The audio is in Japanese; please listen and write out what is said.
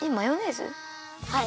はい。